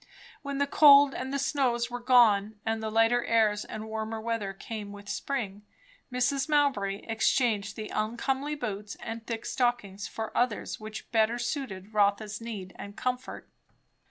When the cold and the snows were gone, and lighter airs and warmer weather came in with spring, Mrs. Mowbray exchanged the uncomely boots and thick stockings for others which better suited Rotha's need and comfort.